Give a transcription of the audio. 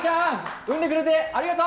産んでくれてありがとう！